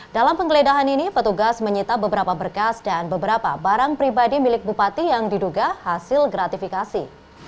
dalam penggeledahan ini petugas menyita beberapa berkas dan beberapa barang pribadi milik bupati yang diduga hasil gratifikasi